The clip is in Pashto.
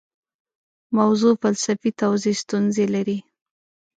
موضوع فلسفي توضیح ستونزې لري.